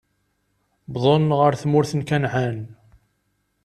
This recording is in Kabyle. Wwḍen ɣer tmurt n Kanɛan.